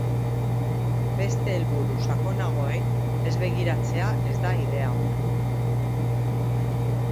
Beste helburu sakonagoei ez begiratzea ez da ideia ona.